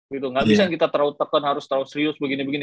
gitu gak bisa kita terlalu tekan harus terlalu serius begini begini